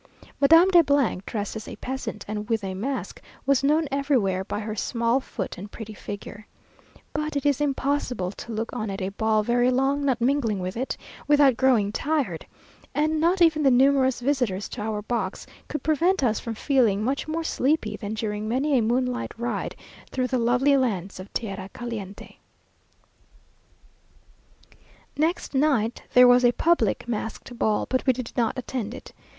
Madame de , dressed as a peasant, and with a mask, was known everywhere by her small foot and pretty figure. But it is impossible to look on at a ball very long, not mingling with it, without growing tired; and not even the numerous visitors to our box could prevent us from feeling much more sleepy than during many a moonlight ride through the lovely lanes of tierra caliente. Next night there was a public masked ball, but we did not attend it.